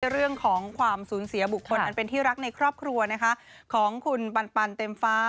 เรื่องของความสูญเสียบุคคลอันเป็นที่รักในครอบครัวนะคะของคุณปันเต็มฟ้า